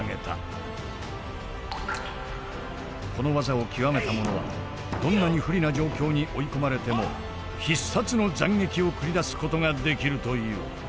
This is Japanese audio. この技を極めた者はどんなに不利な状況に追い込まれても必殺の斬撃を繰り出すことができるという。